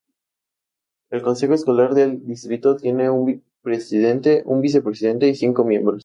El consejo escolar del distrito tiene un presidente, un vicepresidente, y cinco miembros.